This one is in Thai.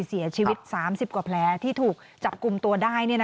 เสียชีวิต๓๐กว่าแผลที่ถูกจับกลุ่มตัวได้